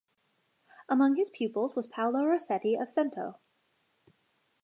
Among his pupils was Paolo Rossetti of Cento.